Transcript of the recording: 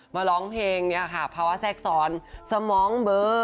มาร้องเพลงนี้ค่ะภาวะแทรกษรสมองเบอร์